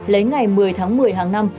lấy ngày một mươi tháng một mươi hàng năm